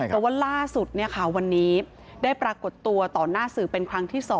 แต่ว่าล่าสุดวันนี้ได้ปรากฏตัวต่อหน้าสื่อเป็นครั้งที่๒